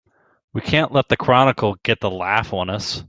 We can't let the Chronicle get the laugh on us!